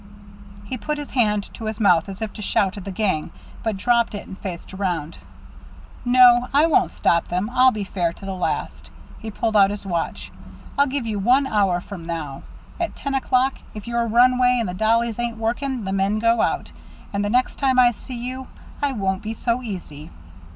He put his hand to his mouth as if to shout at the gang, but dropped it and faced around. "No, I won't stop them. I'll be fair to the last." He pulled out his watch. "I'll give you one hour from now. At ten o'clock, if your runway and the dollies ain't working, the men go out. And the next time I see you, I won't be so easy."